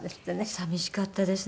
寂しかったです。